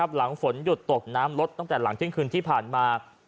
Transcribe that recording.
หลังฝนหยุดตกน้ำลดตั้งแต่หลังเที่ยงคืนที่ผ่านมา